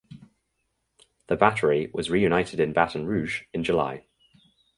The battery was reunited in Baton Rouge in July.